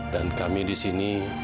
dan kami di sini